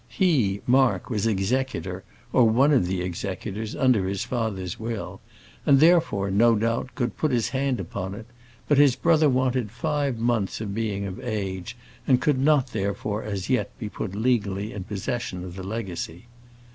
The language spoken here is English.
He, Mark, was executor, or one of the executors under his father's will, and, therefore, no doubt, could put his hand upon it; but his brother wanted five months of being of age, and could not therefore as yet be put legally in possession of the legacy.